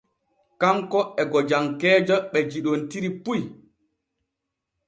Kanko e gojankeeje ɓe yiɗontiri puy.